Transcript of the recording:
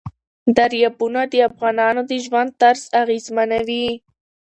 دریابونه د افغانانو د ژوند طرز اغېزمنوي.